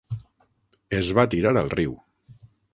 Es va tirar al riu.